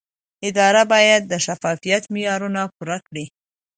اداره باید د شفافیت معیارونه پوره کړي.